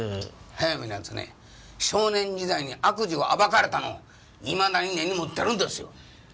速水の奴ね少年時代に悪事を暴かれたのをいまだに根に持ってるんですよ。